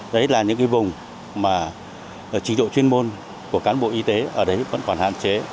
đấy là những cái vùng mà trình độ chuyên môn của cán bộ y tế ở đấy vẫn còn hạn chế